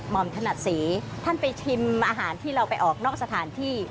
อมถนัดศรีท่านไปชิมอาหารที่เราไปออกนอกสถานที่